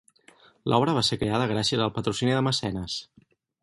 L'obra va ser creada gràcies al patrocini de Mecenes.